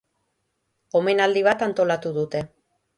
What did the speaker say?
Omenaldi bat antolatu dute.